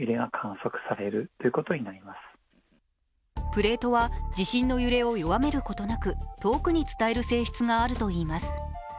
プレートは地震の揺れを弱めることなく遠くに伝える性質があるといいます。